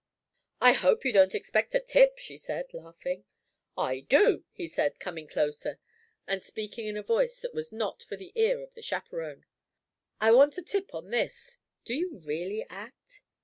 "I hope you don't expect a tip," she said, laughing. "I do," he said, coming closer, and speaking in a voice that was not for the ear of the chaperon. "I want a tip on this do you really act?"